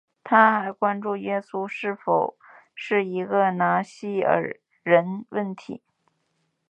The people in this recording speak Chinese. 它还关注耶稣是否是一个拿细耳人问题。